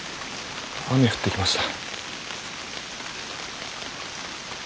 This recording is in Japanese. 雨降ってきました。